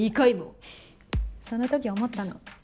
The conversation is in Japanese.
その時思ったの。